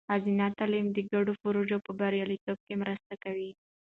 ښځینه تعلیم د ګډو پروژو په بریالیتوب کې مرسته کوي.